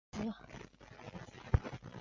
县治安东尼。